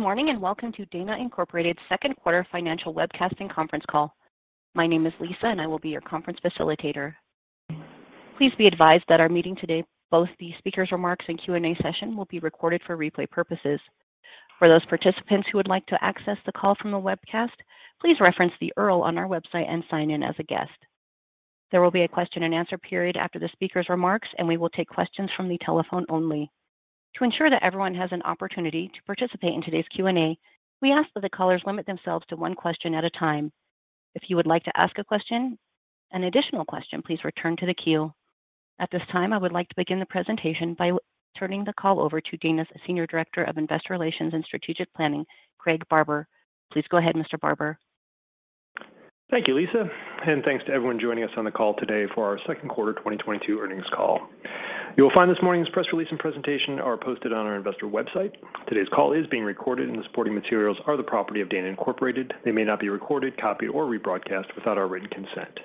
Good morning, and welcome to Dana Incorporated's second quarter financial webcast and conference call. My name is Lisa, and I will be your conference facilitator. Please be advised that our meeting today, both the speaker's remarks and Q&A session, will be recorded for replay purposes. For those participants who would like to access the call from the webcast, please reference the URL on our website and sign in as a guest. There will be a question-and-answer period after the speaker's remarks, and we will take questions from the telephone only. To ensure that everyone has an opportunity to participate in today's Q&A, we ask that the callers limit themselves to one question at a time. If you would like to ask a question, an additional question, please return to the queue. At this time, I would like to begin the presentation by turning the call over to Dana's Senior Director of Investor Relations and Strategic Planning, Craig Barber. Please go ahead, Mr. Barber. Thank you, Lisa, and thanks to everyone joining us on the call today for our second quarter 2022 earnings call. You will find this morning's press release and presentation are posted on our investor website. Today's call is being recorded and the supporting materials are the property of Dana Incorporated. They may not be recorded, copied, or rebroadcast without our written consent.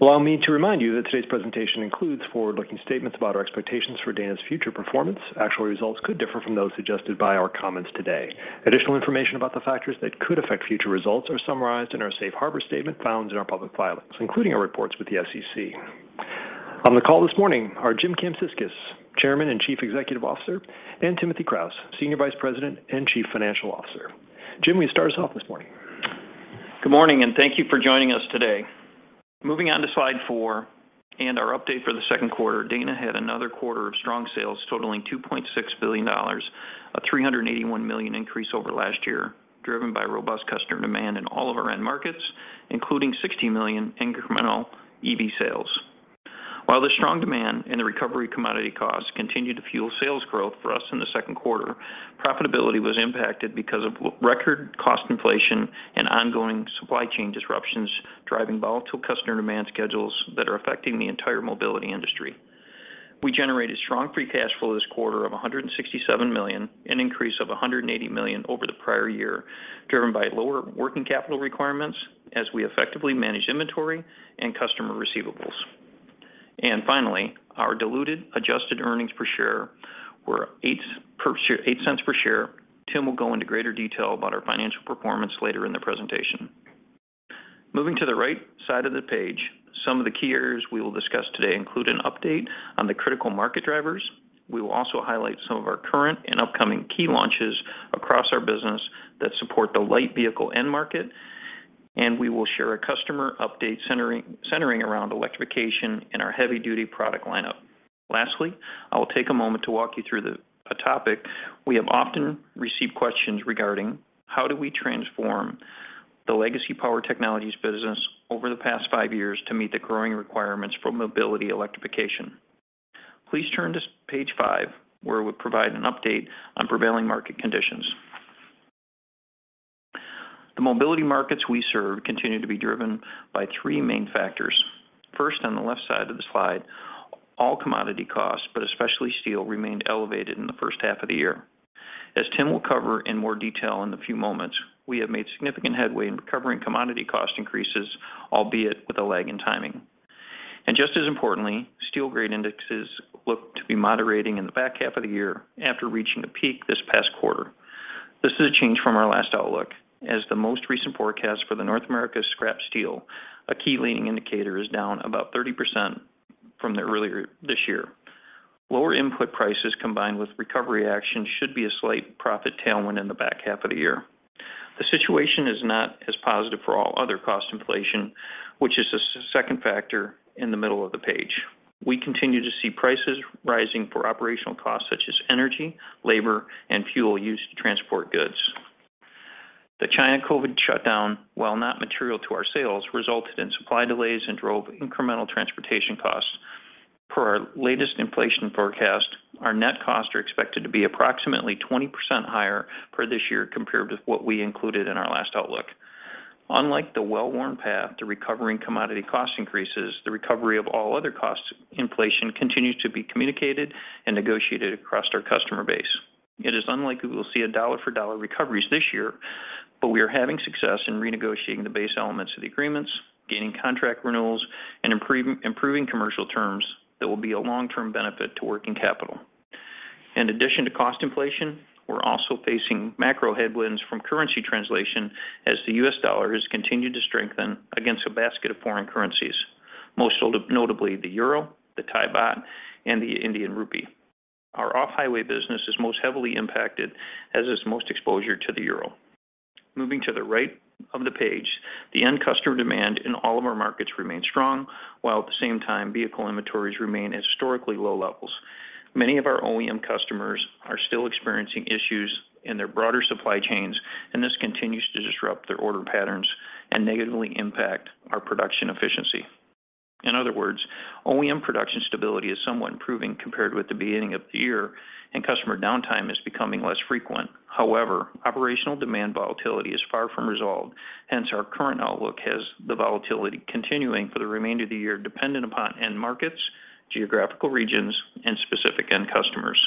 Allow me to remind you that today's presentation includes forward-looking statements about our expectations for Dana's future performance. Actual results could differ from those suggested by our comments today. Additional information about the factors that could affect future results are summarized in our safe harbor statement found in our public filings, including our reports with the SEC. On the call this morning are James Kamsickas, Chairman and Chief Executive Officer, and Timothy Kraus, Senior Vice President and Chief Financial Officer. Jim, we start us off this morning. Good morning, and thank you for joining us today. Moving on to slide four and our update for the second quarter, Dana had another quarter of strong sales totaling $2.6 billion, a $381 million increase over last year, driven by robust customer demand in all of our end markets, including $60 million incremental EV sales. While the strong demand and the recovery in commodity costs continued to fuel sales growth for us in the second quarter, profitability was impacted because of record cost inflation and ongoing supply chain disruptions, driving volatile customer demand schedules that are affecting the entire mobility industry. We generated strong free cash flow this quarter of $167 million, an increase of $180 million over the prior year, driven by lower working capital requirements as we effectively manage inventory and customer receivables. Finally, our diluted adjusted earnings per share were $0.08. Tim will go into greater detail about our financial performance later in the presentation. Moving to the right side of the page, some of the key areas we will discuss today include an update on the critical market drivers. We will also highlight some of our current and upcoming key launches across our business that support the light vehicle end market, and we will share a customer update centering around electrification in our heavy-duty product lineup. Lastly, I will take a moment to walk you through a topic we have often received questions regarding. How do we transform the legacy Power Technologies business over the past five years to meet the growing requirements for mobility electrification? Please turn to page five, where we provide an update on prevailing market conditions. The mobility markets we serve continue to be driven by three main factors. First, on the left side of the slide, all commodity costs, but especially steel, remained elevated in the first half of the year. As Tim will cover in more detail in a few moments, we have made significant headway in recovering commodity cost increases, albeit with a lag in timing. Just as importantly, steel grade indexes look to be moderating in the back half of the year after reaching a peak this past quarter. This is a change from our last outlook, as the most recent forecast for the North America scrap steel, a key leading indicator, is down about 30% from the earlier this year. Lower input prices combined with recovery action should be a slight profit tailwind in the back half of the year. The situation is not as positive for all other cost inflation, which is the second factor in the middle of the page. We continue to see prices rising for operational costs such as energy, labor, and fuel used to transport goods. The China COVID shutdown, while not material to our sales, resulted in supply delays and drove incremental transportation costs. Per our latest inflation forecast, our net costs are expected to be approximately 20% higher for this year compared with what we included in our last outlook. Unlike the well-worn path to recovering commodity cost increases, the recovery of all other costs inflation continues to be communicated and negotiated across our customer base. It is unlikely we will see a dollar for dollar recoveries this year, but we are having success in renegotiating the base elements of the agreements, gaining contract renewals, and improving commercial terms that will be a long-term benefit to working capital. In addition to cost inflation, we're also facing macro headwinds from currency translation as the US dollar has continued to strengthen against a basket of foreign currencies, most notably the euro, the Thai baht, and the Indian rupee. Our off-highway business is most heavily impacted, as it's most exposure to the euro. Moving to the right of the page, the end customer demand in all of our markets remains strong, while at the same time vehicle inventories remain at historically low levels. Many of our OEM customers are still experiencing issues in their broader supply chains, and this continues to disrupt their order patterns and negatively impact our production efficiency. In other words, OEM production stability is somewhat improving compared with the beginning of the year, and customer downtime is becoming less frequent. However, operational demand volatility is far from resolved, hence our current outlook has the volatility continuing for the remainder of the year dependent upon end markets, geographical regions, and specific end customers.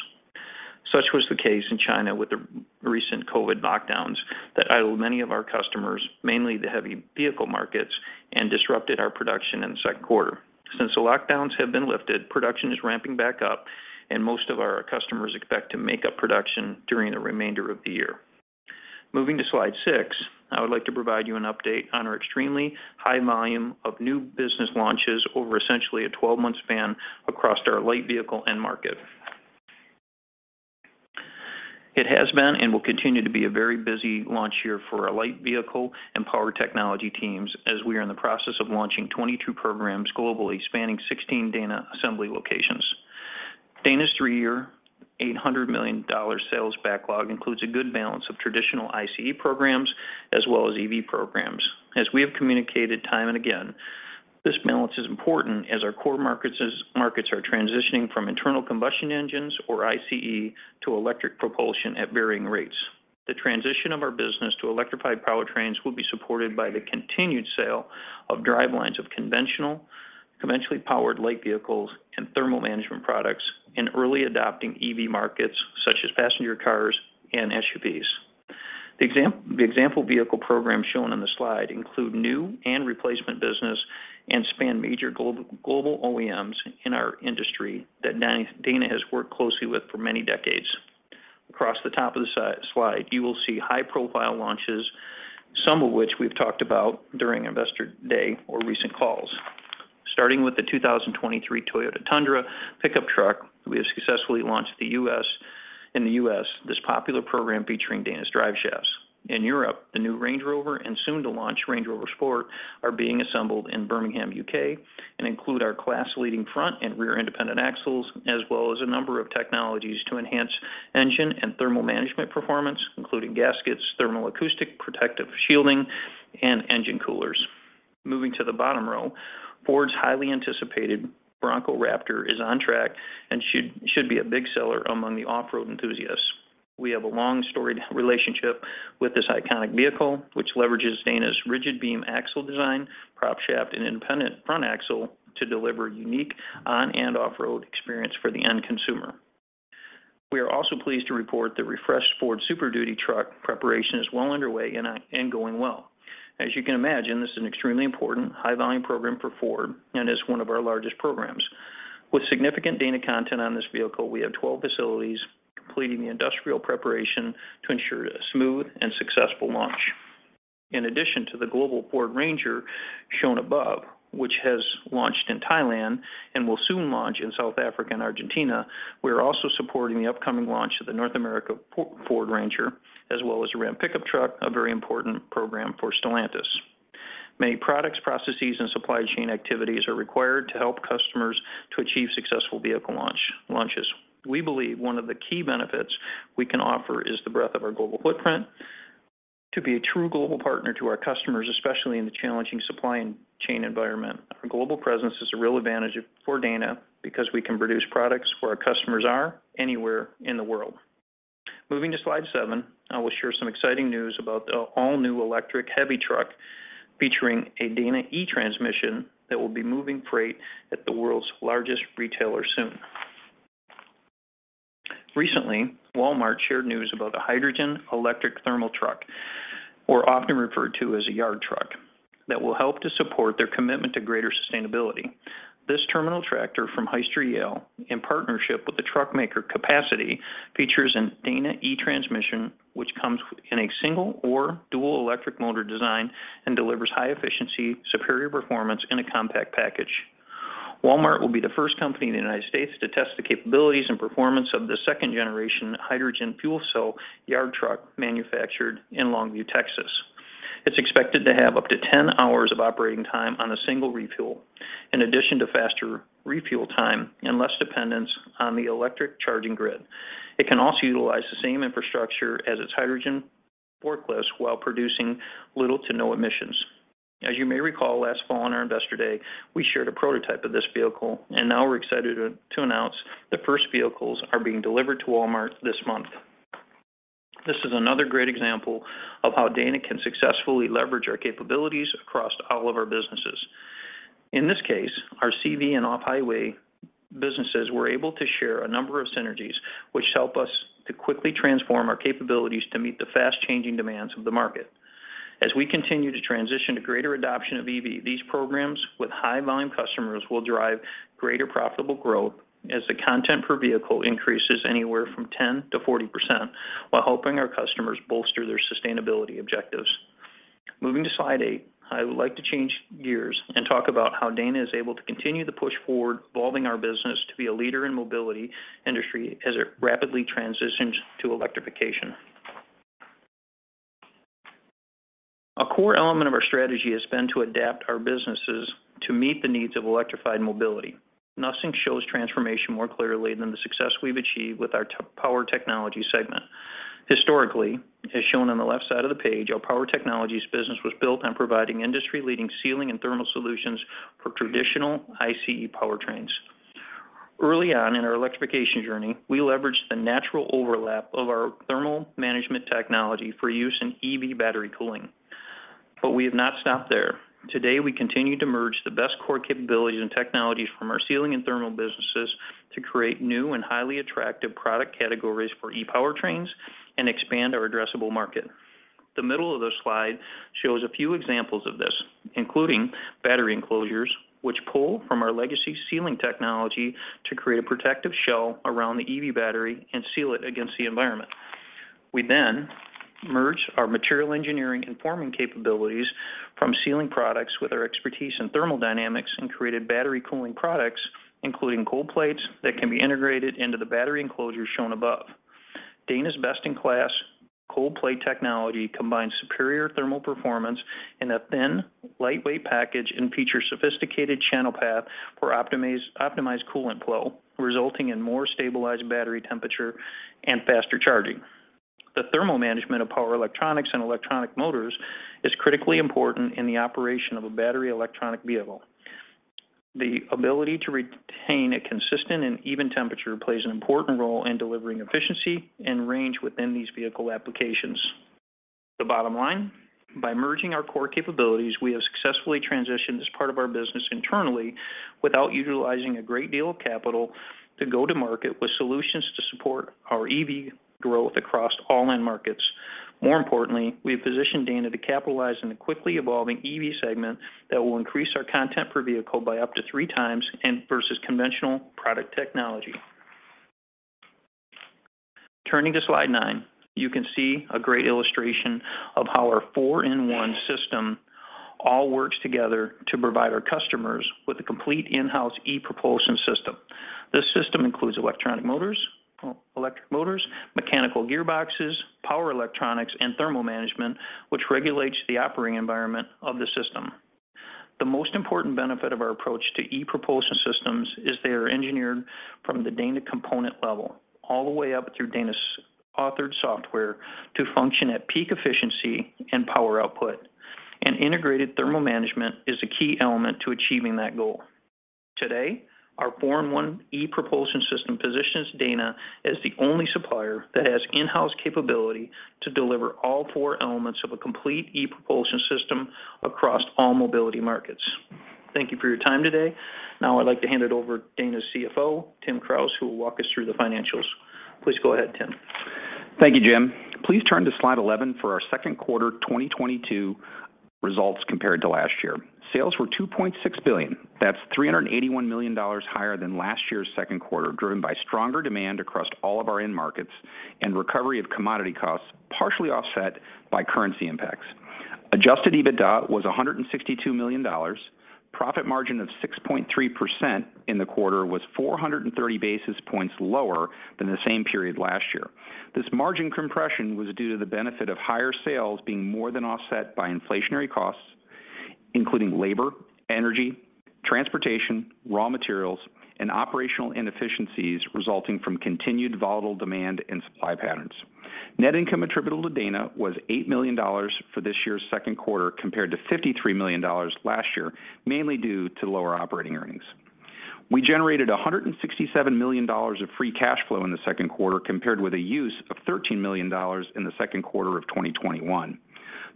Such was the case in China with the recent COVID lockdowns that idled many of our customers, mainly the heavy vehicle markets, and disrupted our production in the second quarter. Since the lockdowns have been lifted, production is ramping back up and most of our customers expect to make up production during the remainder of the year. Moving to slide six, I would like to provide you an update on our extremely high volume of new business launches over essentially a 12-month span across our light vehicle end market. It has been and will continue to be a very busy launch year for our light vehicle and Power Technologies teams as we are in the process of launching 22 programs globally, spanning 16 Dana assembly locations. Dana's three-year, $800 million sales backlog includes a good balance of traditional ICE programs as well as EV programs. As we have communicated time and again, this balance is important as our core markets are transitioning from internal combustion engines or ICE to electric propulsion at varying rates. The transition of our business to electrified powertrains will be supported by the continued sale of drivelines of conventional, conventionally powered light vehicles and thermal management products in early adopting EV markets such as passenger cars and SUVs. The example vehicle programs shown on the slide include new and replacement business and span major global OEMs in our industry that Dana has worked closely with for many decades. Across the top of the slide, you will see high-profile launches, some of which we've talked about during Investor Day or recent calls. Starting with the 2023 Toyota Tundra pickup truck, we have successfully launched in the U.S. this popular program featuring Dana's drive shafts. In Europe, the new Range Rover and soon to launch Range Rover Sport are being assembled in Birmingham, U.K., and include our class-leading front and rear independent axles, as well as a number of technologies to enhance engine and thermal management performance, including gaskets, thermal-acoustic protective shielding, and engine coolers. Moving to the bottom row, Ford's highly anticipated Bronco Raptor is on track and should be a big seller among the off-road enthusiasts. We have a long-storied relationship with this iconic vehicle, which leverages Dana's rigid beam axle design, prop shaft, and independent front axle to deliver unique on- and off-road experience for the end consumer. We are also pleased to report the refreshed Ford Super Duty truck preparation is well underway and going well. As you can imagine, this is an extremely important high volume program for Ford and is one of our largest programs. With significant Dana content on this vehicle, we have 12 facilities completing the industrial preparation to ensure a smooth and successful launch. In addition to the global Ford Ranger shown above, which has launched in Thailand and will soon launch in South Africa and Argentina, we are also supporting the upcoming launch of the North American Ford Ranger, as well as a Ram pickup truck, a very important program for Stellantis. Many products, processes, and supply chain activities are required to help customers to achieve successful vehicle launches. We believe one of the key benefits we can offer is the breadth of our global footprint to be a true global partner to our customers, especially in the challenging supply chain environment. Our global presence is a real advantage for Dana because we can produce products where our customers are anywhere in the world. Moving to slide seven, I will share some exciting news about the all-new electric heavy truck featuring a Dana e-Transmission that will be moving freight at the world's largest retailer soon. Recently, Walmart shared news about a hydrogen fuel cell yard truck, or often referred to as a yard truck, that will help to support their commitment to greater sustainability. This terminal tractor from Hyster-Yale, in partnership with the truck maker Capacity, features a Dana e-Transmission, which comes in a single or dual electric motor design and delivers high efficiency, superior performance in a compact package. Walmart will be the first company in the United States to test the capabilities and performance of the second generation hydrogen fuel cell yard truck manufactured in Longview, Texas. It's expected to have up to 10 hours of operating time on a single refuel. In addition to faster refuel time and less dependence on the electric charging grid, it can also utilize the same infrastructure as its hydrogen forklifts while producing little to no emissions. As you may recall, last fall on our Investor Day, we shared a prototype of this vehicle, and now we're excited to announce the first vehicles are being delivered to Walmart this month. This is another great example of how Dana can successfully leverage our capabilities across all of our businesses. In this case, our CV and off-highway businesses were able to share a number of synergies which help us to quickly transform our capabilities to meet the fast changing demands of the market. As we continue to transition to greater adoption of EV, these programs with high volume customers will drive greater profitable growth as the content per vehicle increases anywhere from 10%-40% while helping our customers bolster their sustainability objectives. Moving to slide eight, I would like to change gears and talk about how Dana is able to continue the push forward, evolving our business to be a leader in mobility industry as it rapidly transitions to electrification. A core element of our strategy has been to adapt our businesses to meet the needs of electrified mobility. Nothing shows transformation more clearly than the success we've achieved with our Power Technologies segment. Historically, as shown on the left side of the page, our Power Technologies business was built on providing industry-leading sealing and thermal solutions for traditional ICE powertrains. Early on in our electrification journey, we leveraged the natural overlap of our thermal management technology for use in EV battery cooling. We have not stopped there. Today, we continue to merge the best core capabilities and technologies from our sealing and thermal businesses to create new and highly attractive product categories for e-powertrains and expand our addressable market. The middle of the slide shows a few examples of this, including battery enclosures, which pull from our legacy sealing technology to create a protective shell around the EV battery and seal it against the environment. We merged our material engineering and forming capabilities from sealing products with our expertise in thermodynamics and created battery cooling products, including cold plates that can be integrated into the battery enclosures shown above. Dana's best-in-class cold plate technology combines superior thermal performance in a thin, lightweight package and features sophisticated channel path for optimized coolant flow, resulting in more stabilized battery temperature and faster charging. The thermal management of power electronics and electronic motors is critically important in the operation of a battery electric vehicle. The ability to retain a consistent and even temperature plays an important role in delivering efficiency and range within these vehicle applications. The bottom line, by merging our core capabilities, we have successfully transitioned this part of our business internally without utilizing a great deal of capital to go to market with solutions to support our EV growth across all end markets. More importantly, we have positioned Dana to capitalize on the quickly evolving EV segment that will increase our content per vehicle by up to three times and versus conventional product technology. Turning to slide nine, you can see a great illustration of how our 4-in-1 system all works together to provide our customers with a complete in-house e-Propulsion system. This system includes electric motors, mechanical gearboxes, power electronics, and thermal management, which regulates the operating environment of the system. The most important benefit of our approach to e-Propulsion systems is they are engineered from the Dana component level all the way up through Dana's authored software to function at peak efficiency and power output. Integrated thermal management is a key element to achieving that goal. Today, our 4-in-1 e-Propulsion system positions Dana as the only supplier that has in-house capability to deliver all four elements of a complete e-Propulsion system across all mobility markets. Thank you for your time today. Now I'd like to hand it over to Dana's CFO, Tim Kraus, who will walk us through the financials. Please go ahead, Tim. Thank you, Jim. Please turn to slide 11 for our second quarter 2022 results compared to last year. Sales were $2.6 billion. That's $381 million higher than last year's second quarter, driven by stronger demand across all of our end markets and recovery of commodity costs, partially offset by currency impacts. Adjusted EBITDA was $162 million. Profit margin of 6.3% in the quarter was 430 basis points lower than the same period last year. This margin compression was due to the benefit of higher sales being more than offset by inflationary costs, including labor, energy, transportation, raw materials, and operational inefficiencies resulting from continued volatile demand and supply patterns. Net income attributable to Dana was $8 million for this year's second quarter compared to $53 million last year, mainly due to lower operating earnings. We generated $167 million of free cash flow in the second quarter compared with a use of $13 million in the second quarter of 2021.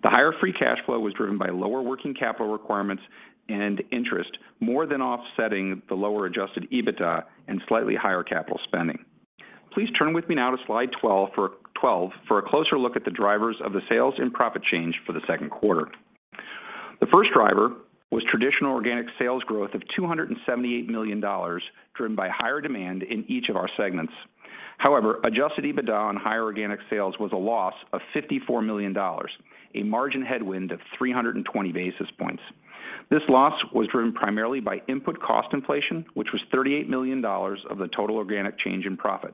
The higher free cash flow was driven by lower working capital requirements and interest, more than offsetting the lower Adjusted EBITDA and slightly higher capital spending. Please turn with me now to slide 12 for a closer look at the drivers of the sales and profit change for the second quarter. The first driver was traditional organic sales growth of $278 million, driven by higher demand in each of our segments. However, Adjusted EBITDA on higher organic sales was a loss of $54 million, a margin headwind of 320 basis points. This loss was driven primarily by input cost inflation, which was $38 million of the total organic change in profit,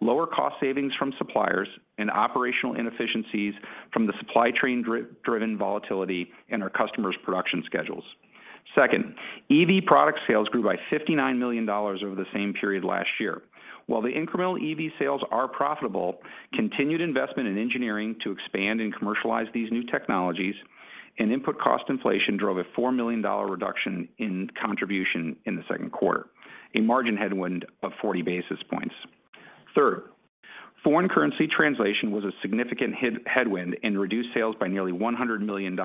lower cost savings from suppliers, and operational inefficiencies from the supply chain driven volatility in our customers' production schedules. Second, EV product sales grew by $59 million over the same period last year. While the incremental EV sales are profitable, continued investment in engineering to expand and commercialize these new technologies and input cost inflation drove a $4 million reduction in contribution in the second quarter, a margin headwind of 40 basis points. Third, foreign currency translation was a significant headwind and reduced sales by nearly $100 million,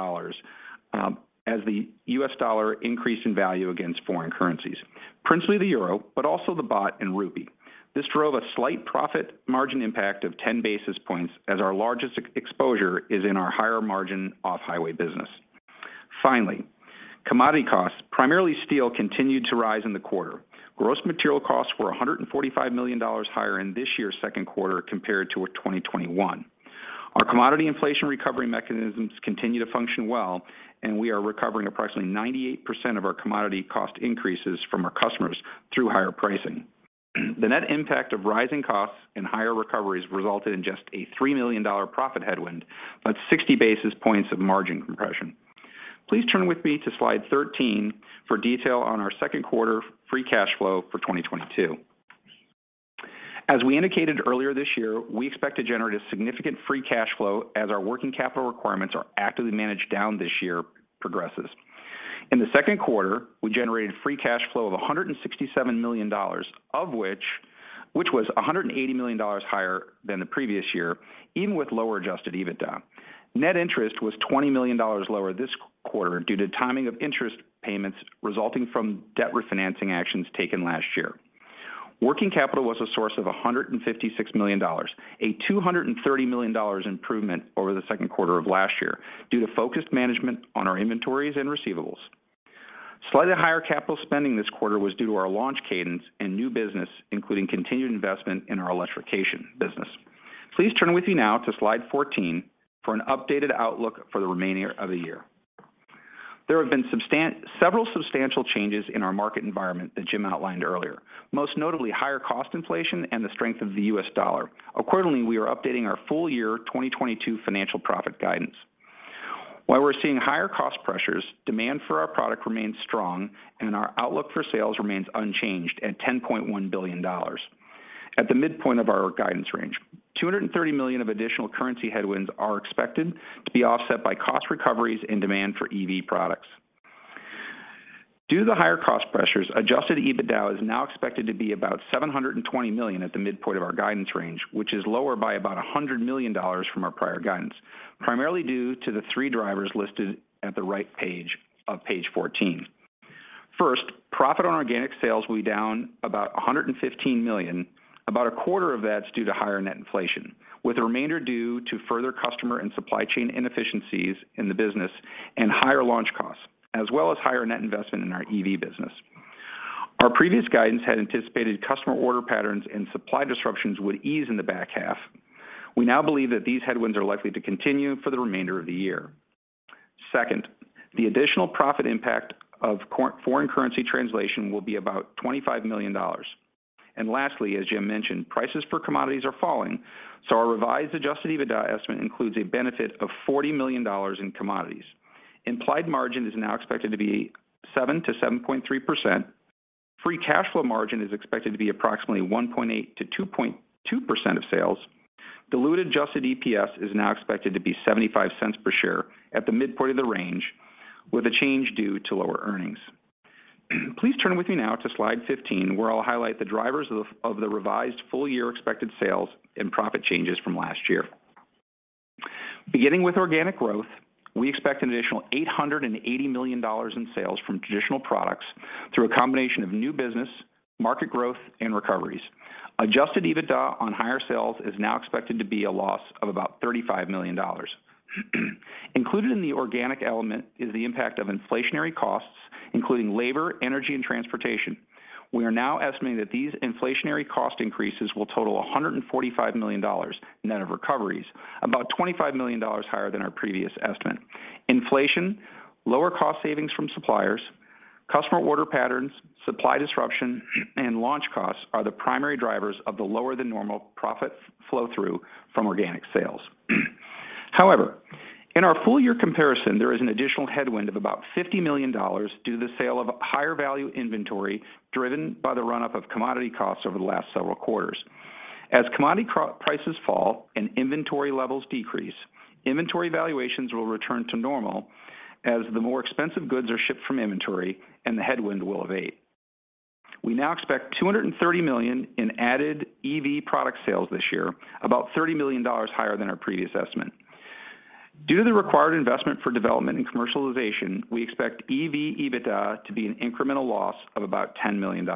as the US dollar increased in value against foreign currencies, principally the euro, but also the baht and rupee. This drove a slight profit margin impact of 10 basis points as our largest exposure is in our higher margin off-highway business. Finally, commodity costs, primarily steel, continued to rise in the quarter. Gross material costs were $145 million higher in this year's second quarter compared to our 2021. Our commodity inflation recovery mechanisms continue to function well, and we are recovering approximately 98% of our commodity cost increases from our customers through higher pricing. The net impact of rising costs and higher recoveries resulted in just a $3 million profit headwind, but 60 basis points of margin compression. Please turn with me to slide 13 for detail on our second quarter free cash flow for 2022. As we indicated earlier this year, we expect to generate a significant free cash flow as our working capital requirements are actively managed down this year progresses. In the second quarter, we generated free cash flow of $167 million, of which was $180 million higher than the previous year, even with lower Adjusted EBITDA. Net interest was $20 million lower this quarter due to timing of interest payments resulting from debt refinancing actions taken last year. Working capital was a source of $156 million, a $230 million improvement over the second quarter of last year due to focused management on our inventories and receivables. Slightly higher capital spending this quarter was due to our launch cadence and new business, including continued investment in our electrification business. Please turn with me now to slide 14 for an updated outlook for the remainder of the year. There have been several substantial changes in our market environment that Jim outlined earlier, most notably higher cost inflation and the strength of the US dollar. Accordingly, we are updating our full year 2022 financial profit guidance. While we're seeing higher cost pressures, demand for our product remains strong, and our outlook for sales remains unchanged at $10.1 billion at the midpoint of our guidance range. $230 million of additional currency headwinds are expected to be offset by cost recoveries and demand for EV products. Due to the higher cost pressures, Adjusted EBITDA is now expected to be about $720 million at the midpoint of our guidance range, which is lower by about $100 million from our prior guidance, primarily due to the three drivers listed at the right page of page 14. First, profit on organic sales will be down about $115 million. About 1/4 of that's due to higher net inflation, with the remainder due to further customer and supply chain inefficiencies in the business and higher launch costs, as well as higher net investment in our EV business. Our previous guidance had anticipated customer order patterns and supply disruptions would ease in the back half. We now believe that these headwinds are likely to continue for the remainder of the year. Second, the additional profit impact of foreign currency translation will be about $25 million. Lastly, as Jim mentioned, prices for commodities are falling, so our revised Adjusted EBITDA estimate includes a benefit of $40 million in commodities. Implied margin is now expected to be 7%-7.3%. Free cash flow margin is expected to be approximately 1.8%-2.2% of sales. Diluted Adjusted EPS is now expected to be $0.75 per share at the midpoint of the range, with a change due to lower earnings. Please turn with me now to slide 15, where I'll highlight the drivers of the revised full year expected sales and profit changes from last year. Beginning with organic growth, we expect an additional $880 million in sales from traditional products through a combination of new business, market growth and recoveries. Adjusted EBITDA on higher sales is now expected to be a loss of about $35 million. Included in the organic element is the impact of inflationary costs, including labor, energy and transportation. We are now estimating that these inflationary cost increases will total $145 million net of recoveries, about $25 million higher than our previous estimate. Inflation, lower cost savings from suppliers, customer order patterns, supply disruption, and launch costs are the primary drivers of the lower than normal profit flow-through from organic sales. However, in our full year comparison, there is an additional headwind of about $50 million due to the sale of higher value inventory driven by the run-up of commodity costs over the last several quarters. As commodity prices fall and inventory levels decrease, inventory valuations will return to normal as the more expensive goods are shipped from inventory and the headwind will abate. We now expect $230 million in added EV product sales this year, about $30 million higher than our previous estimate. Due to the required investment for development and commercialization, we expect EV EBITDA to be an incremental loss of about $10 million.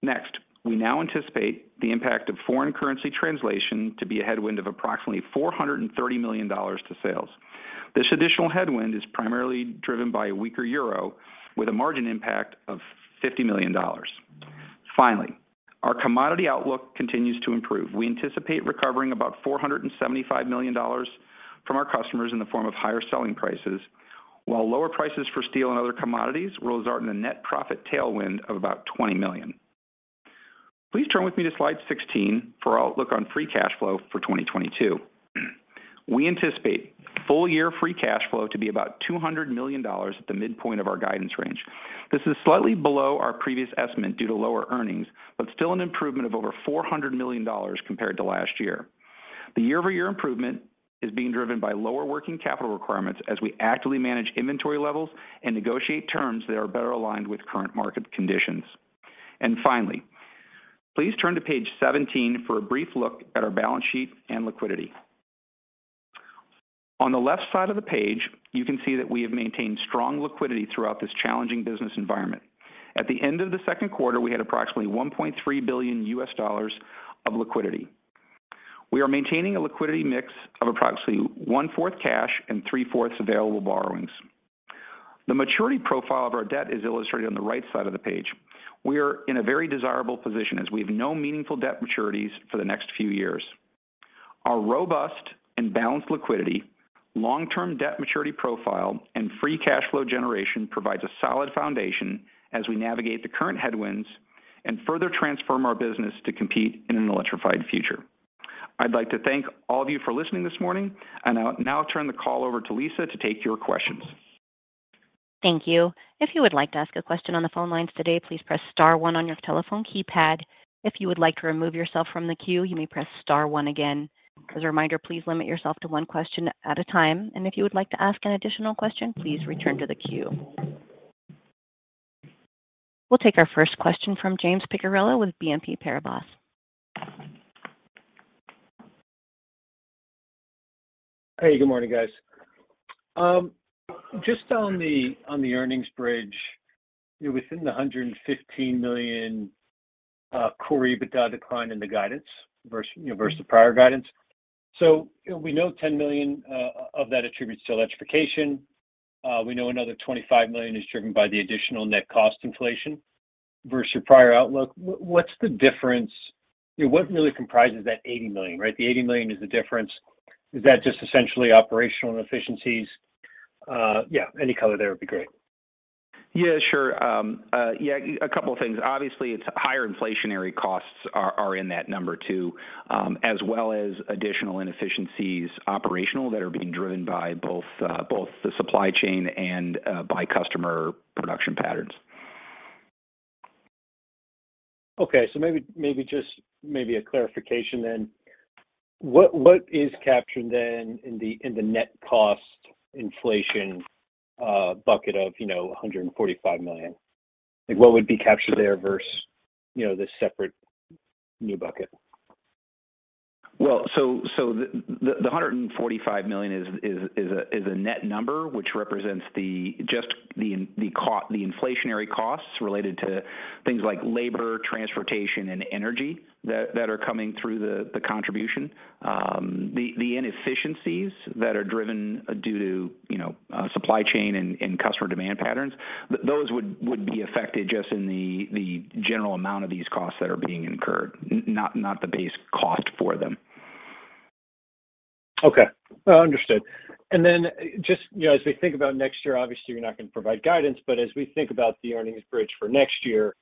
Next, we now anticipate the impact of foreign currency translation to be a headwind of approximately $430 million to sales. This additional headwind is primarily driven by a weaker euro with a margin impact of $50 million. Finally, our commodity outlook continues to improve. We anticipate recovering about $475 million from our customers in the form of higher selling prices, while lower prices for steel and other commodities will result in a net profit tailwind of about $20 million. Please turn with me to slide 16 for our outlook on free cash flow for 2022. We anticipate full year free cash flow to be about $200 million at the midpoint of our guidance range. This is slightly below our previous estimate due to lower earnings, but still an improvement of over $400 million compared to last year. The year-over-year improvement is being driven by lower working capital requirements as we actively manage inventory levels and negotiate terms that are better aligned with current market conditions. Finally, please turn to page 17 for a brief look at our balance sheet and liquidity. On the left side of the page, you can see that we have maintained strong liquidity throughout this challenging business environment. At the end of the second quarter, we had approximately $1.3 billion of liquidity. We are maintaining a liquidity mix of approximately 1/4 cash and 3/4 available borrowings. The maturity profile of our debt is illustrated on the right side of the page. We are in a very desirable position as we have no meaningful debt maturities for the next few years. Our robust and balanced liquidity, long-term debt maturity profile and free cash flow generation provides a solid foundation as we navigate the current headwinds and further transform our business to compete in an electrified future. I'd like to thank all of you for listening this morning, and I'll now turn the call over to Lisa to take your questions. Thank you. If you would like to ask a question on the phone lines today, please press star one on your telephone keypad. If you would like to remove yourself from the queue, you may press star one again. As a reminder, please limit yourself to one question at a time. If you would like to ask an additional question, please return to the queue. We'll take our first question from James Picariello with BNP Paribas. Hey, good morning, guys. Just on the earnings bridge, within the $115 million core EBITDA decline in the guidance versus, you know, versus the prior guidance. We know $10 million of that attributes to electrification. We know another $25 million is driven by the additional net cost inflation versus your prior outlook. What's the difference? What really comprises that $80 million, right? The $80 million is the difference. Is that just essentially operational efficiencies? Yeah, any color there would be great. Yeah, sure. Yeah, a couple of things. Obviously, the higher inflationary costs are in that number too, as well as additional operational inefficiencies that are being driven by both the supply chain and by customer production patterns. Maybe just a clarification then. What is captured then in the net cost inflation bucket of, you know, $145 million? Like, what would be captured there versus, you know, this separate new bucket? Well, the $145 million is a net number which represents just the inflationary costs related to things like labor, transportation, and energy that are coming through the contribution. The inefficiencies that are driven due to you know supply chain and customer demand patterns, those would be affected just in the general amount of these costs that are being incurred, not the base cost for them. Okay. Understood. Just, you know, as we think about next year, obviously, you're not going to provide guidance, but as we think about the earnings bridge for next year,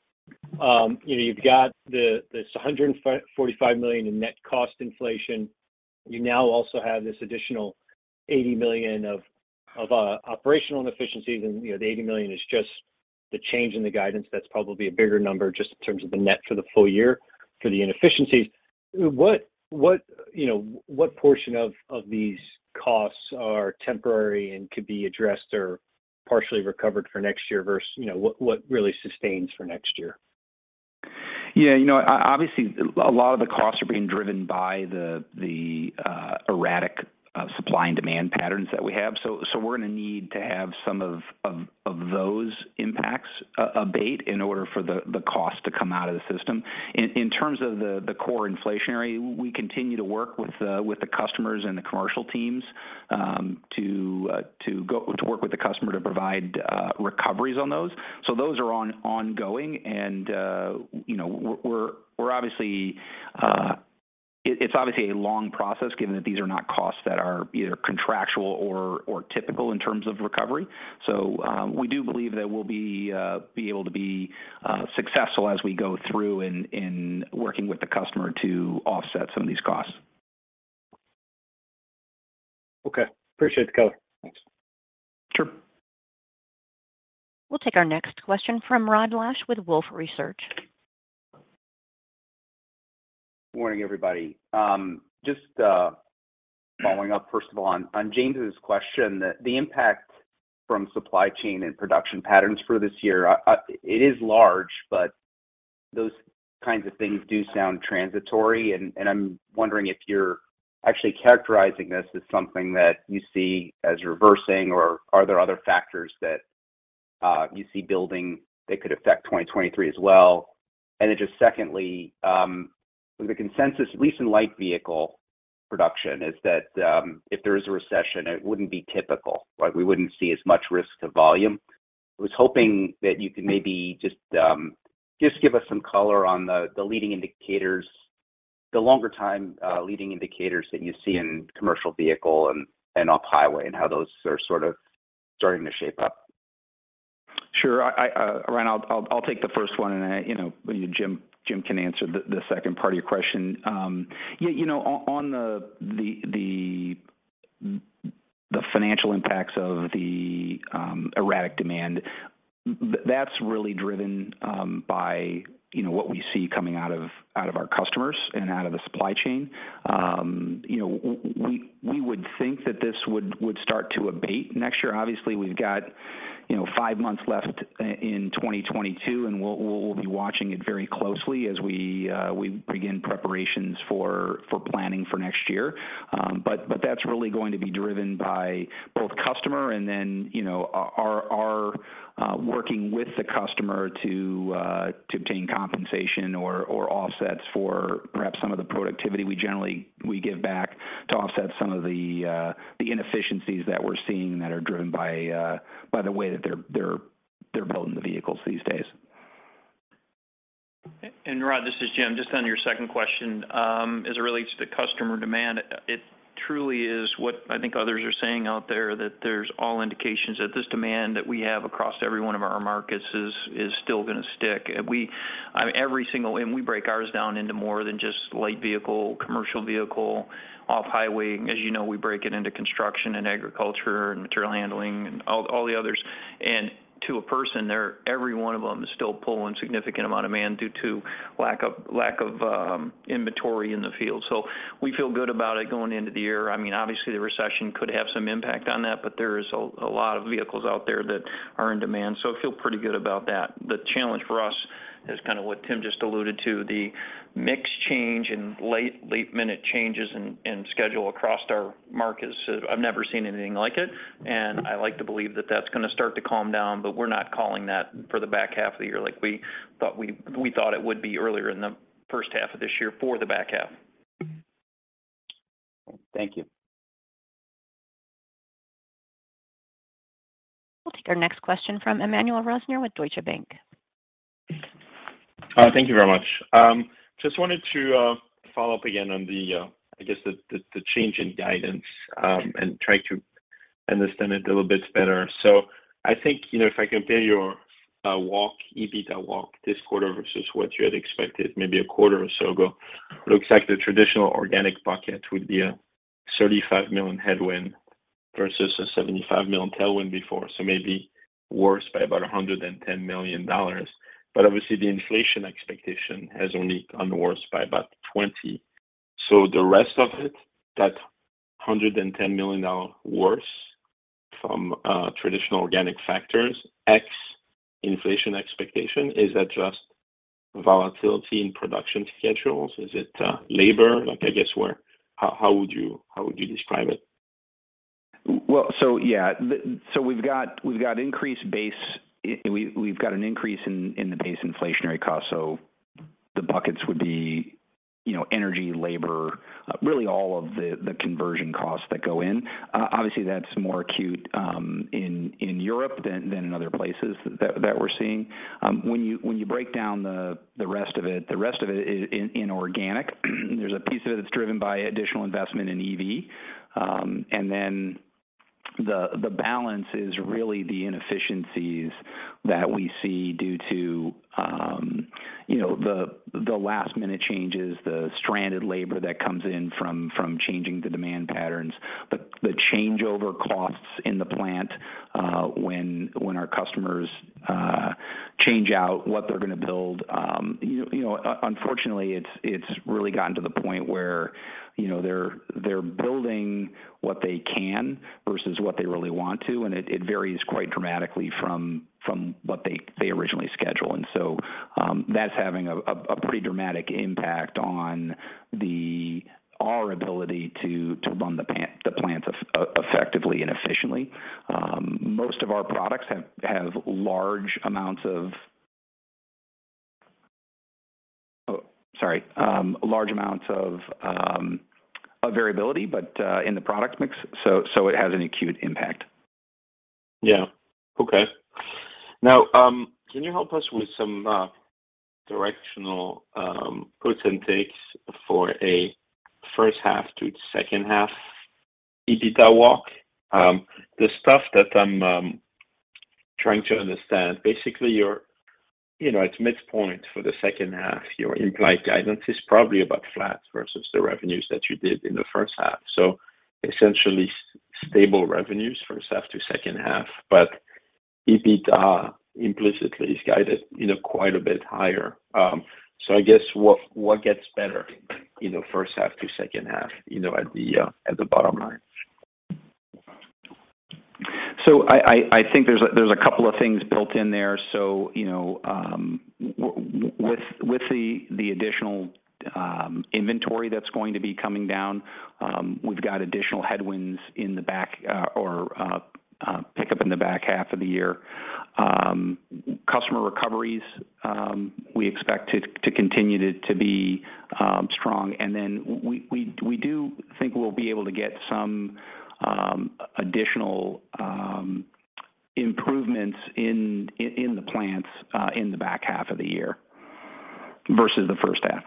you know, you've got this $145 million in net cost inflation. You now also have this additional $80 million of operational inefficiencies. You know, the $80 million is just the change in the guidance. That's probably a bigger number just in terms of the net for the full year for the inefficiencies. What, you know, what portion of these costs are temporary and could be addressed or partially recovered for next year versus, you know, what really sustains for next year? Yeah. You know, obviously, a lot of the costs are being driven by the erratic supply and demand patterns that we have. We're gonna need to have some of those impacts abate in order for the cost to come out of the system. In terms of the core inflationary, we continue to work with the customers and the commercial teams to work with the customer to provide recoveries on those. Those are ongoing. You know, we're obviously. It's obviously a long process given that these are not costs that are either contractual or typical in terms of recovery. We do believe that we'll be able to be successful as we go through in working with the customer to offset some of these costs. Okay. Appreciate the color. Thanks. Sure. We'll take our next question from Rod Lache with Wolfe Research. Morning, everybody. Just following up, first of all, on James' question. The impact from supply chain and production patterns for this year, it is large, but those kinds of things do sound transitory. I'm wondering if you're actually characterizing this as something that you see as reversing, or are there other factors that you see building that could affect 2023 as well? Just secondly, the consensus at least in light vehicle production is that, if there is a recession, it wouldn't be typical, right? We wouldn't see as much risk to volume. I was hoping that you could maybe just give us some color on the leading indicators, the longer time leading indicators that you see in commercial vehicle and off-highway and how those are sort of starting to shape up. Sure. Rod, I'll take the first one and you know, Jim can answer the second part of your question. Yeah, you know, on the financial impacts of the erratic demand, that's really driven by you know, what we see coming out of our customers and out of the supply chain. You know, we would think that this would start to abate next year. Obviously, we've got you know, five months left in 2022, and we'll be watching it very closely as we begin preparations for planning for next year. That's really going to be driven by both customer and then, you know, our working with the customer to obtain compensation or offsets for perhaps some of the productivity we give back to offset some of the inefficiencies that we're seeing that are driven by the way that they're building the vehicles these days. Rod, this is Jim. Just on your second question, as it relates to customer demand, it truly is what I think others are saying out there, that there's all indications that this demand that we have across every one of our markets is still gonna stick. On every single, we break ours down into more than just light vehicle, commercial vehicle, off-highway. As you know, we break it into construction and agriculture and material handling and all the others. To a person there, every one of them is still pulling significant amount of demand due to lack of inventory in the field. We feel good about it going into the year. I mean, obviously, the recession could have some impact on that, but there is a lot of vehicles out there that are in demand. I feel pretty good about that. The challenge for us is kind of what Tim just alluded to, the mix change and late minute changes in schedule across our markets. I've never seen anything like it, and I like to believe that that's gonna start to calm down, but we're not calling that for the back half of the year like we thought it would be earlier in the first half of this year for the back half. Thank you. We'll take our next question from Emmanuel Rosner with Deutsche Bank. Thank you very much. Just wanted to follow up again on the, I guess, the change in guidance, and try to understand it a little bit better. I think, you know, if I compare your walk, EBITDA walk this quarter versus what you had expected maybe a quarter or so ago, looks like the traditional organic bucket would be a $35 million headwind versus a $75 million tailwind before. Maybe worse by about a $110 million. But obviously the inflation expectation has only gone worse by about $20. The rest of it, that $110 million worse from traditional organic factors, ex inflation expectation, is that just volatility in production schedules? Is it labor? Like, I guess, where how would you describe it? We've got an increase in the base inflationary cost, so the buckets would be, you know, energy, labor, really all of the conversion costs that go in. Obviously that's more acute in Europe than in other places that we're seeing. When you break down the rest of it, the rest of it is in inorganic. There's a piece of it that's driven by additional investment in EV, and then the balance is really the inefficiencies that we see due to, you know, the last-minute changes, the stranded labor that comes in from changing the demand patterns. The changeover costs in the plant, when our customers change out what they're gonna build. You know, unfortunately, it's really gotten to the point where, you know, they're building what they can versus what they really want to, and it varies quite dramatically from what they originally scheduled. That's having a pretty dramatic impact on our ability to run the plants effectively and efficiently. Most of our products have large amounts of variability in the product mix, so it has an acute impact. Yeah. Okay. Now, can you help us with some directional puts and takes for a first half to second half EBITDA walk? The stuff that I'm trying to understand, basically your, you know, it's midpoint for the second half. Your implied guidance is probably about flat versus the revenues that you did in the first half. Essentially stable revenues first half to second half. EBITDA implicitly is guided, you know, quite a bit higher. I guess what gets better, you know, first half to second half, you know, at the bottom line? I think there's a couple of things built in there. You know, with the additional inventory that's going to be coming down, we've got additional headwinds in the back or pickup in the back half of the year. Customer recoveries, we expect to continue to be strong. Then we do think we'll be able to get some additional improvements in the plants in the back half of the year versus the first half.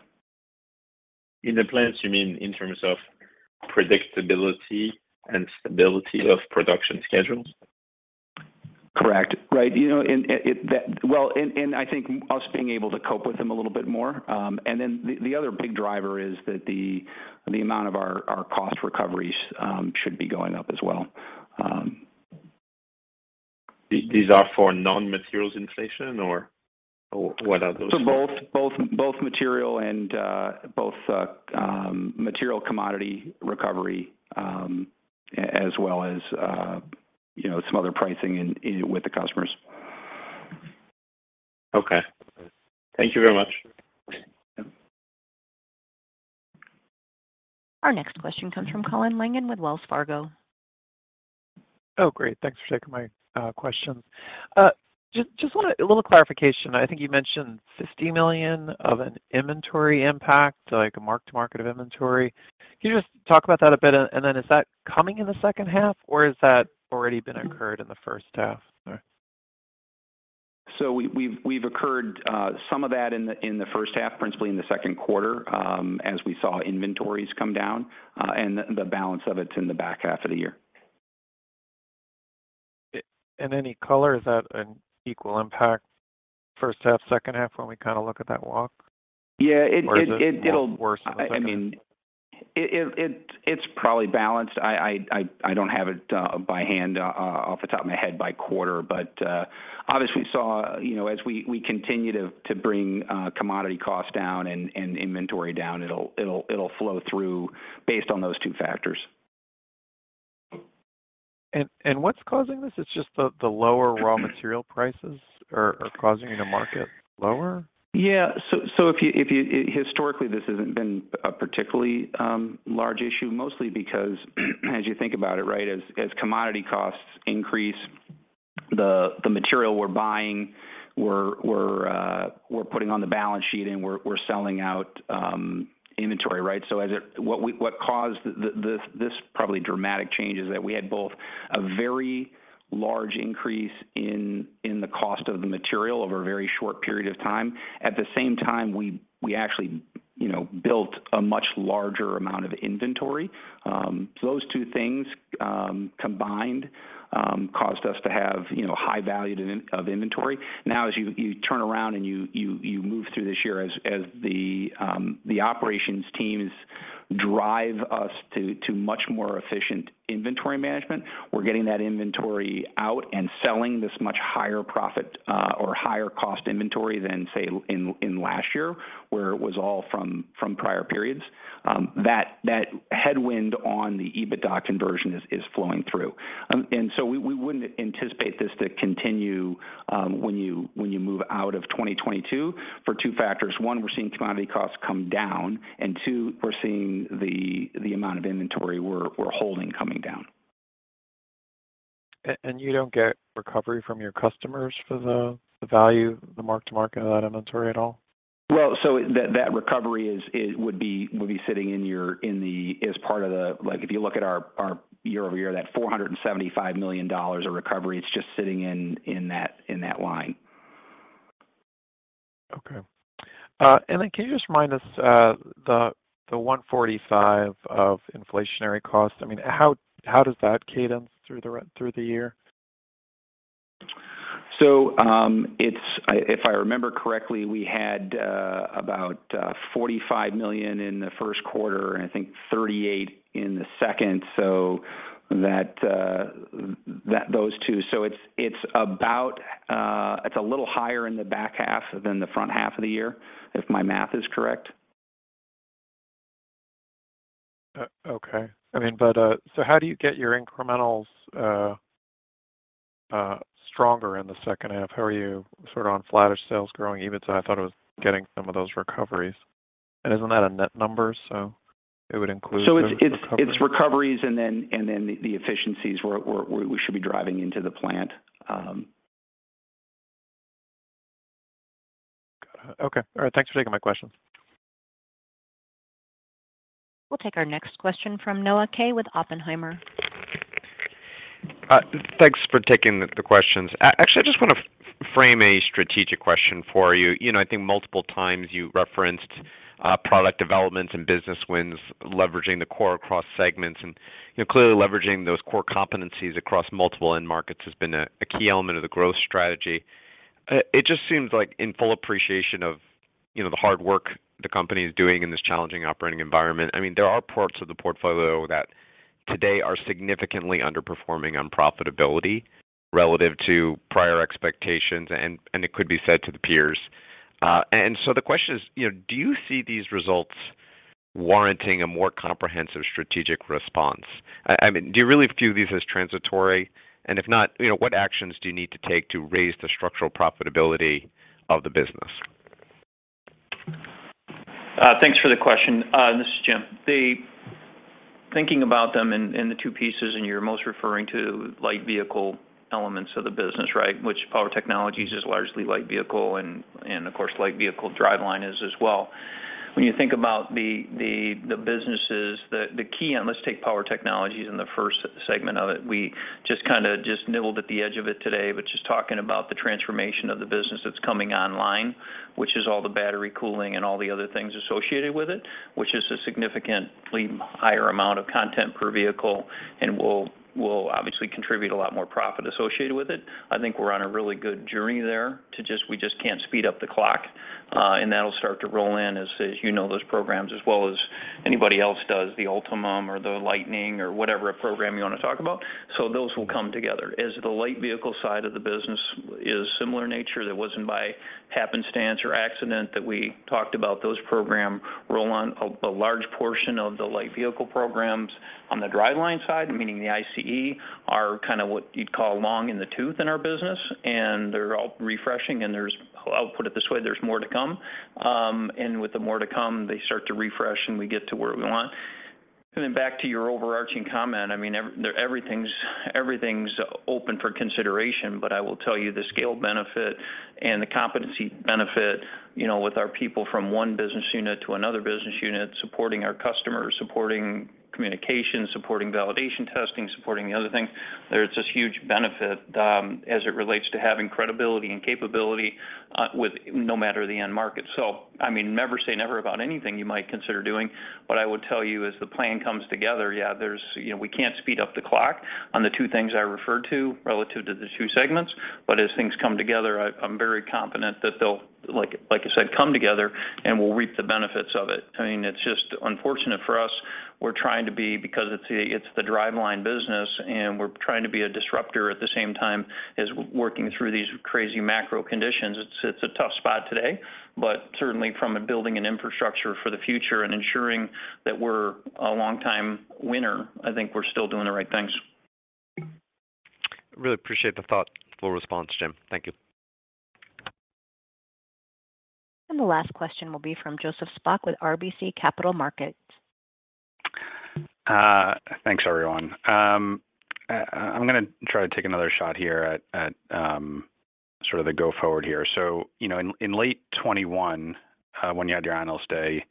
In the plants, you mean in terms of predictability and stability of production schedules? Correct. Right. You know, Well, I think us being able to cope with them a little bit more. The other big driver is that the amount of our cost recoveries should be going up as well. These are for non-materials inflation or what are those for? Both material and commodity recovery, as well as you know some other pricing in with the customers. Okay. Thank you very much. Yeah. Our next question comes from Colin Langan with Wells Fargo. Oh, great. Thanks for taking my questions. Just wanna a little clarification. I think you mentioned $50 million of an inventory impact, like a mark-to-market of inventory. Can you just talk about that a bit? Is that coming in the second half or has that already been occurred in the first half? We've incurred some of that in the first half, principally in the second quarter, as we saw inventories come down, and the balance of it's in the back half of the year. In any color, is that an equal impact first half, second half when we kinda look at that walk? Yeah. Is it worse than the second half? I mean, it's probably balanced. I don't have it by hand off the top of my head by quarter. Obviously we saw, you know, as we continue to bring commodity costs down and inventory down, it'll flow through based on those two factors. What's causing this? It's just the lower raw material prices are causing you to market lower? Historically, this hasn't been a particularly large issue, mostly because as you think about it, right, as commodity costs increase the material we're buying, we're putting on the balance sheet and we're selling out inventory, right? What caused this probably dramatic change is that we had both a very large increase in the cost of the material over a very short period of time. At the same time, we actually, you know, built a much larger amount of inventory. Those two things combined caused us to have, you know, high value of inventory. Now as you turn around and you move through this year as the operations teams drive us to much more efficient inventory management, we're getting that inventory out and selling this much higher profit or higher cost inventory than, say, in last year where it was all from prior periods. That headwind on the EBITDA conversion is flowing through. We wouldn't anticipate this to continue when you move out of 2022 for two factors. One, we're seeing commodity costs come down, and two, we're seeing the amount of inventory we're holding coming down. You don't get recovery from your customers for the value, the mark-to-market of that inventory at all? Well, that recovery would be sitting in there, as part of the year-over-year. Like, if you look at our year-over-year, that $475 million of recovery, it's just sitting in that line. Okay. Can you just remind us the $145 million of inflationary costs? I mean, how does that cadence through the year? If I remember correctly, we had about $45 million in the first quarter, and I think $38 million in the second, so that those two. It's a little higher in the back half than the front half of the year, if my math is correct. Okay. I mean, how do you get your incrementals stronger in the second half? How are you sort of on flattish sales growing EBITDA? I thought it was getting some of those recoveries. Isn't that a net number, so it would include the recovery? It's recoveries and then the efficiencies we should be driving into the plant. Got it. Okay. All right. Thanks for taking my question. We'll take our next question from Noah Kaye with Oppenheimer. Thanks for taking the questions. Actually, I just want to frame a strategic question for you. You know, I think multiple times you referenced product developments and business wins leveraging the core across segments. You know, clearly leveraging those core competencies across multiple end markets has been a key element of the growth strategy. It just seems like in full appreciation of, you know, the hard work the company is doing in this challenging operating environment, I mean, there are parts of the portfolio that today are significantly underperforming on profitability relative to prior expectations and it could be said to the peers. The question is, you know, do you see these results warranting a more comprehensive strategic response? I mean, do you really view these as transitory? If not, you know, what actions do you need to take to raise the structural profitability of the business? Thanks for the question. This is Jim. Thinking about them in the two pieces, and you're most referring to light vehicle elements of the business, right? Which Power Technologies is largely light vehicle and, of course, light vehicle driveline is as well. When you think about the businesses, the key, and let's take Power Technologies in the first segment of it. We just kinda nibbled at the edge of it today, but just talking about the transformation of the business that's coming online, which is all the battery cooling and all the other things associated with it, which is a significantly higher amount of content per vehicle and will obviously contribute a lot more profit associated with it. I think we're on a really good journey there. We just can't speed up the clock. That'll start to roll in as you know those programs as well as anybody else does, the Ultium or the Lightning or whatever program you wanna talk about. Those will come together. The light vehicle side of the business is similar nature, that wasn't by happenstance or accident that we talked about those program roll on. A large portion of the light vehicle programs on the driveline side, meaning the ICE, are kinda what you'd call long in the tooth in our business, and they're all refreshing, and there's. I'll put it this way, there's more to come. With the more to come, they start to refresh, and we get to where we want. Back to your overarching comment, I mean, everything's open for consideration. I will tell you the scale benefit and the competency benefit, you know, with our people from one business unit to another business unit, supporting our customers, supporting communication, supporting validation testing, supporting the other things. There's this huge benefit as it relates to having credibility and capability with no matter the end market. I mean, never say never about anything you might consider doing. What I would tell you as the plan comes together, yeah, there's, you know, we can't speed up the clock on the two things I referred to relative to the two segments, but as things come together, I'm very confident that they'll, like I said, come together, and we'll reap the benefits of it. I mean, it's just unfortunate for us. We're trying to be, because it's the driveline business, and we're trying to be a disruptor at the same time as working through these crazy macro conditions. It's a tough spot today, but certainly from building an infrastructure for the future and ensuring that we're a long time winner, I think we're still doing the right things. Really appreciate the thoughtful response, Jim. Thank you. The last question will be from Joseph Spak with RBC Capital Markets. Thanks everyone. I'm gonna try to take another shot here at sort of the go forward here. You know, in late 2021, when you had your Analyst Day,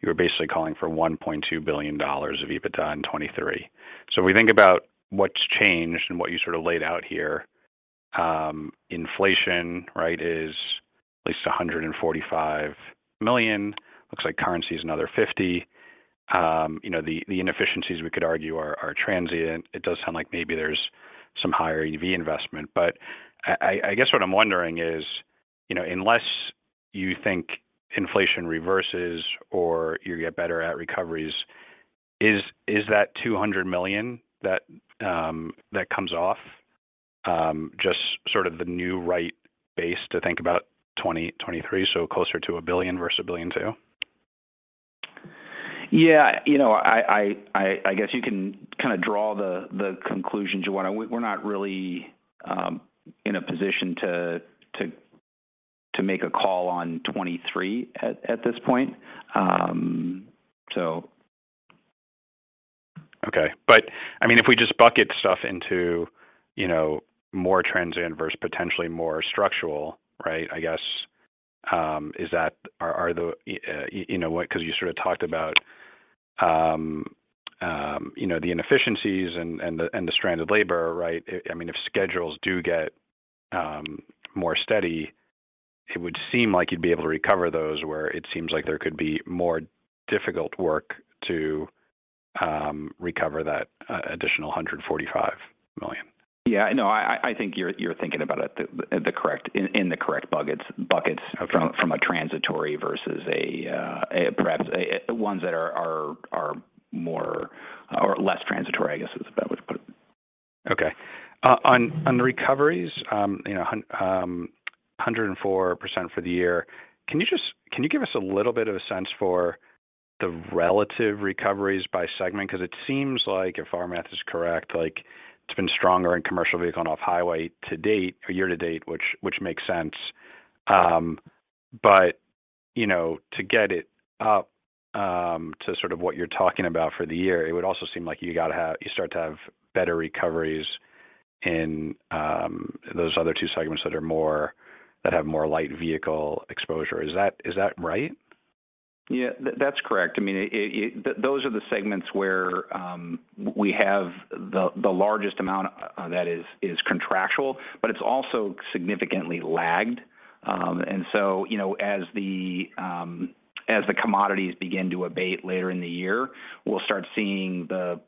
you were basically calling for $1.2 billion of EBITDA in 2023. We think about what's changed and what you sort of laid out here, inflation, right, is at least $145 million. Looks like currency is another $50 million. You know, the inefficiencies we could argue are transient. It does sound like maybe there's some higher EV investment. I guess what I'm wondering is, you know, unless you think inflation reverses or you get better at recoveries, is that $200 million that comes off just sort of the new baseline to think about 2023, so closer to $1 billion versus $1.2 billion? Yeah. You know, I guess you can kind of draw the conclusion. We're not really in a position to make a call on 2023 at this point. So. Okay. I mean, if we just bucket stuff into, you know, more transient versus potentially more structural, right, I guess, you know what, 'cause you sort of talked about, you know, the inefficiencies and the stranded labor, right? I mean, if schedules do get more steady, it would seem like you'd be able to recover those where it seems like there could be more difficult work to recover that additional $145 million. Yeah. No, I think you're thinking about it in the correct buckets. Okay. From a transitory versus perhaps ones that are more or less transitory, I guess is about what to put it. Okay. On recoveries, you know, 104% for the year, can you just give us a little bit of a sense for the relative recoveries by segment? 'Cause it seems like if our math is correct, like it's been stronger in commercial vehicle and off-highway to date or year-to-date, which makes sense. But, you know, to get it up to sort of what you're talking about for the year, it would also seem like you start to have better recoveries in those other two segments that have more light vehicle exposure. Is that right? Yeah. That's correct. I mean, it. Those are the segments where we have the largest amount that is contractual, but it's also significantly lagged. You know, as the commodities begin to abate later in the year, we'll start seeing the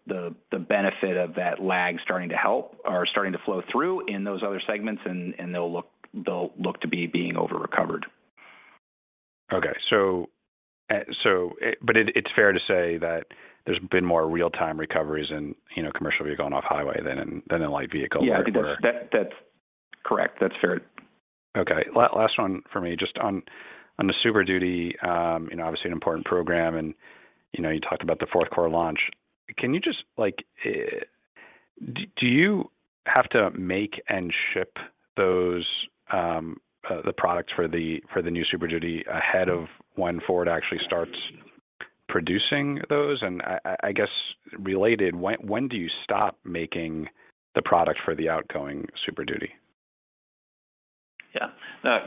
benefit of that lag starting to help or starting to flow through in those other segments and they'll look to be being over-recovered. It's fair to say that there's been more real-time recoveries in, you know, commercial vehicle and off-highway than in light vehicle before. Yeah. That's correct. That's fair. Okay. Last one for me just on the Super Duty, you know, obviously an important program and, you know, you talked about the fourth quarter launch. Can you just like, do you have to make and ship those, the products for the new Super Duty ahead of when Ford actually starts producing those? I guess related, when do you stop making the product for the outgoing Super Duty? Yeah.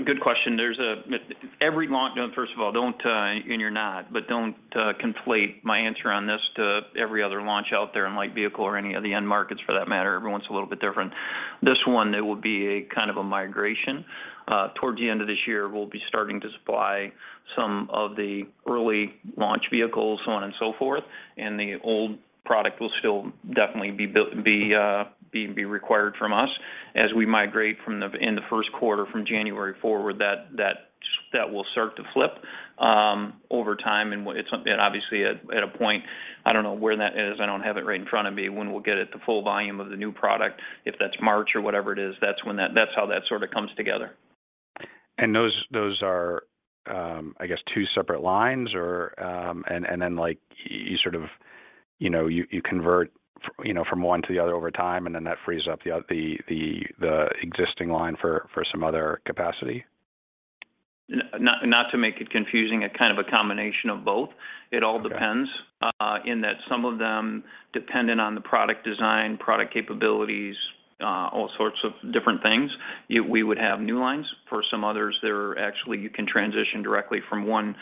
Good question. There's every launch. Now first of all, don't, and you're not, but don't conflate my answer on this to every other launch out there in light vehicle or any of the end markets for that matter. Everyone's a little bit different. This one, it will be a kind of a migration. Towards the end of this year, we'll be starting to supply some of the early launch vehicles, so on and so forth, and the old product will still definitely be required from us as we migrate in the first quarter from January forward, that will start to flip over time and it's, and obviously at a point, I don't know where that is, I don't have it right in front of me, when we'll get it the full volume of the new product. If that's March or whatever it is, that's when that that's how that sort of comes together. Those are, I guess, two separate lines or, and then, like, you sort of, you know, you convert, you know, from one to the other over time, and then that frees up the existing line for some other capacity? Not to make it confusing, a kind of a combination of both. Okay. It all depends in that some of them depend on the product design, product capabilities, all sorts of different things. We would have new lines. For some others, they're actually you can transition directly from one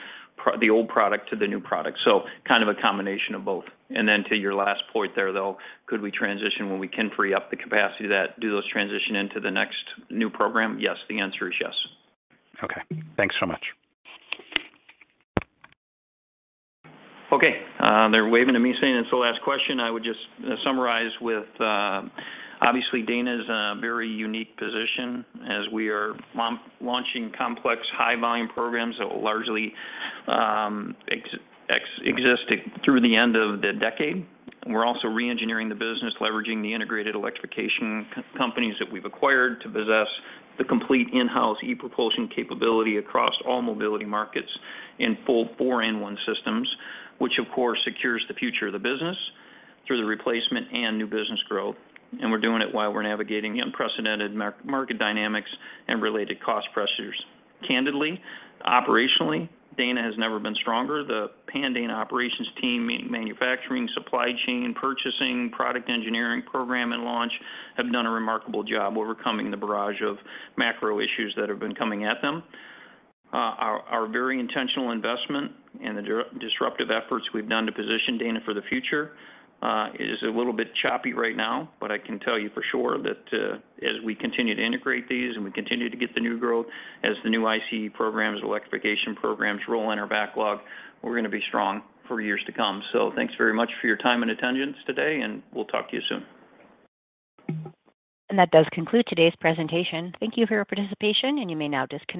the old product to the new product. So kind of a combination of both. Then to your last point there, though, could we transition when we can free up the capacity that do those transition into the next new program? Yes. The answer is yes. Okay. Thanks so much. Okay. They're waving at me saying it's the last question. I would just summarize with, obviously Dana is in a very unique position as we are launching complex high volume programs that will largely exist through the end of the decade. We're also re-engineering the business, leveraging the integrated electrification companies that we've acquired to possess the complete in-house e-Propulsion capability across all mobility markets in full 4-in-1 systems, which of course secures the future of the business through the replacement and new business growth. We're doing it while we're navigating unprecedented market dynamics and related cost pressures. Candidly, operationally, Dana has never been stronger. The Pan-Dana operations team, manufacturing, supply chain, purchasing, product engineering program and launch have done a remarkable job overcoming the barrage of macro issues that have been coming at them. Our very intentional investment and the disruptive efforts we've done to position Dana for the future is a little bit choppy right now. I can tell you for sure that as we continue to integrate these and we continue to get the new growth as the new ICE programs, electrification programs roll in our backlog, we're gonna be strong for years to come. Thanks very much for your time and attendance today, and we'll talk to you soon. That does conclude today's presentation. Thank you for your participation, and you may now disconnect.